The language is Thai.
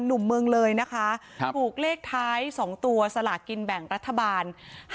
หนุ่มเมืองเลยนะคะถูกเลขท้าย๒ตัวสลากินแบ่งรัฐบาล